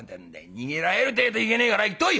逃げられるてえといけねえから行ってこい！」。